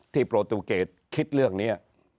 โปรตูเกตคิดเรื่องนี้